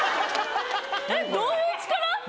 えっどういう力？